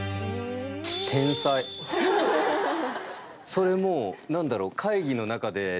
それもう何だろう。